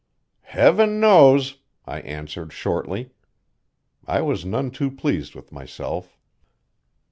"Heaven knows!" I answered shortly. I was none too pleased with myself.